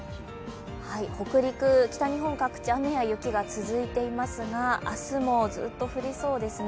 北陸、北日本各地、雨や雪が続いていますが明日もずっと降りそうですね。